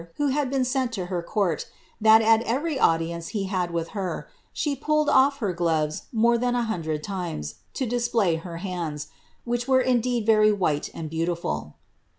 who had been sent to her court, that at every audience 1 with her, she pulled off her gloves more than a hundred times, play her hands, which were indeed very white and beautiful.''